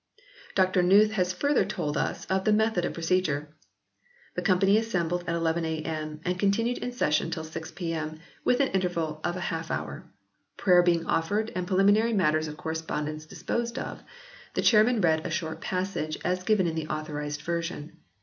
Dr Newth has further told us of the method of procedure. The Company assembled at eleven a.m. and continued in session till six p.m., with an interval of half an hour. Prayer being offered, and preliminary matters of correspondence disposed of, the Chairman read a short passage as given in the Authorised Version.